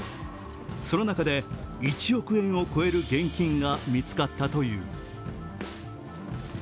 その中で１億円を超える現金が見つかったという。